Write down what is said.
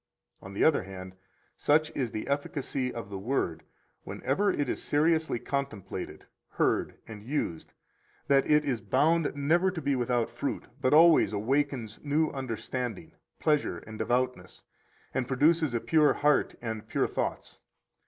101 On the other hand, such is the efficacy of the Word, whenever it is seriously contemplated, heard, and used, that it is bound never to be without fruit, but always awakens new understanding, pleasure, and devoutness, and produces a pure heart and pure thoughts.